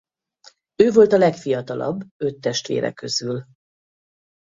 Ő volt a legfiatalabb öt testvére közül.